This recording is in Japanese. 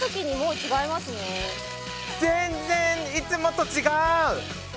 全然いつもとちがう！